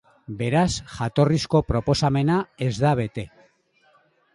Beraz, jatorrizko proposamena ez da bete.